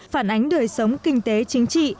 phản ánh đời sống kinh tế chính trị